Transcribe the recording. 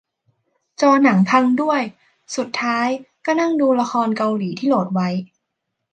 จอหนังพังด้วย สุดท้ายก็นั่งดูละครเกาหลีที่โหลดไว้